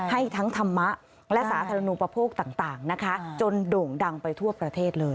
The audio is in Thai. ให้ทั้งธรรมะและสาธารณูปโภคต่างนะคะจนโด่งดังไปทั่วประเทศเลย